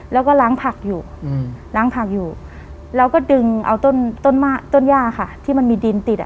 แล้วก็ล้างผักอยู่แล้วก็ดึงเอาต้นย่าที่มันมีดินติด